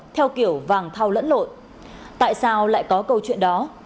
tại sao lại có câu chuyện đó